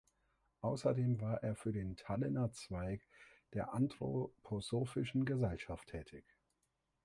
Außerdem war er für den Tallinner Zweig der Anthroposophischen Gesellschaft tätig.